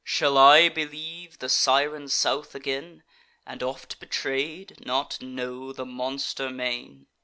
Shall I believe the Siren South again, And, oft betray'd, not know the monster main?"